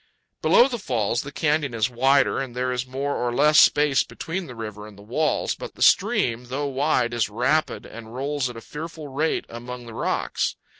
Below the falls the canyon is wider, and there is more or less space between the river and the walls; but the stream, though wide, is rapid, and rolls at a fearful rate among the rocks.